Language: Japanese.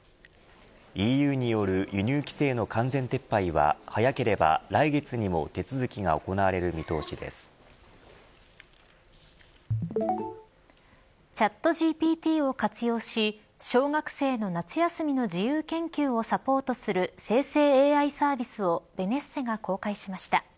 ＥＵによる輸入規制の完全撤廃は早ければ来月にもチャットＧＰＴを活用し小学生の夏休みの自由研究をサポートする生成ＡＩサービスをベネッセが公開しました。